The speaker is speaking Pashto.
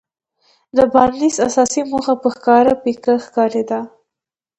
د بارنس اساسي موخه په ښکاره پيکه ښکارېده.